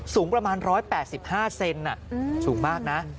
สูงประมาณ๑๘๕เซนสูงมากนะ